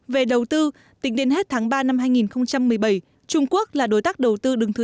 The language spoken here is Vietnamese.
về đầu tư tỉnh đến hết tháng ba năm hai nghìn một mươi bảy trung quốc là đối tác đầu tư đường thứ tám